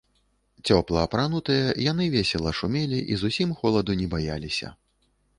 Цёпла апранутыя, яны весела шумелі і зусім холаду не баяліся.